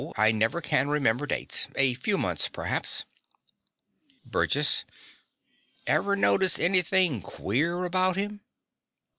I never can remember dates. A few months, perhaps. BURGESS. Ever notice anything queer about him?